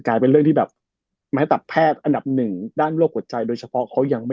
กลายเป็นเรื่องที่แบบแม้แต่แพทย์อันดับหนึ่งด้านโลกหัวใจโดยเฉพาะ